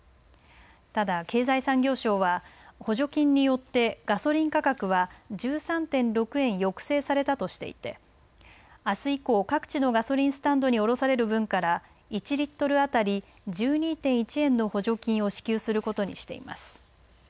ただ、経済産業省は、補助金によってガソリン価格は１３．６円抑制されたとしていて、あす以降、各地のガソリンスタンドに卸される分から、１リットル当たり１２．１円の補助金を支給することにしています。